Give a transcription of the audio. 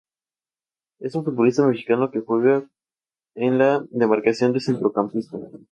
Es un futbolista mexicano que juega en la demarcación de Centrocampista.